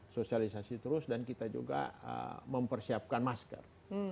sosialisasi terus dan kita juga mempersiapkan masker